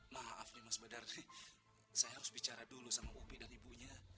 maaf nih mas badar nih saya harus bicara dulu sama upi dan ibunya